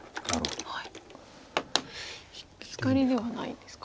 ブツカリではないですか。